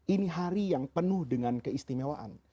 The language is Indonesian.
ini hari yang penuh dengan keistimewaan